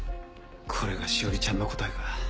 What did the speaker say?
これが詩織ちゃんの答えか。